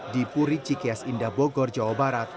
di puri cikias indah bogor jawa barat